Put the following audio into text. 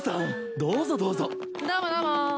どうぞどうぞ。